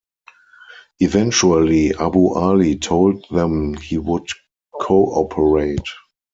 Eventually, Abu Ali told them he would cooperate.